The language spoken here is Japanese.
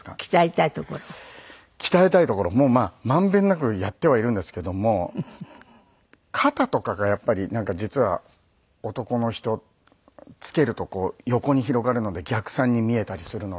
鍛えたい所まあ満遍なくやってはいるんですけども肩とかがやっぱり実は男の人つけるとこう横に広がるので逆三に見えたりするので。